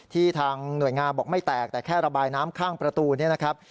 ทางหน่วยงานบอกไม่แตกแต่แค่ระบายน้ำข้างประตูเนี่ยนะครับ